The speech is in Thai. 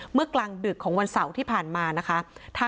กลางดึกของวันเสาร์ที่ผ่านมานะคะ